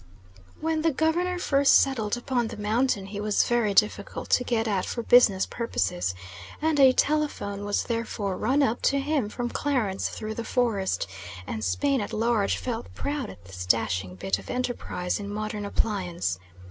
When the Governor first settled upon the mountain he was very difficult to get at for business purposes, and a telephone was therefore run up to him from Clarence through the forest, and Spain at large felt proud at this dashing bit of enterprise in modern appliance.